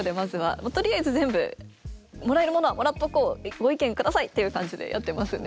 もうとりあえず全部もらえるものはもらっとこうご意見下さいっていう感じでやってますね。